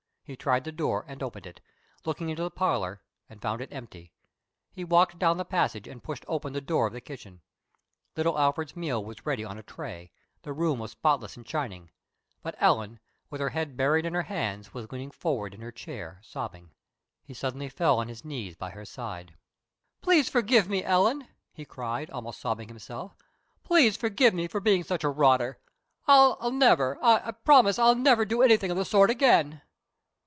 He tried the door and opened it, looked into the parlor and found it empty. He walked down the passage and pushed open the door of the kitchen. Little Alfred's meal was ready on a tray, the room was spotless and shining, but Ellen, with her head buried in her hands, was leaning forward in her chair, sobbing. He suddenly fell on his knees by her side. "Please forgive me, Ellen!" he cried, almost sobbing himself. "Please forgive me for being such a rotter. I'll never I promise that I'll never do anything of the sort again."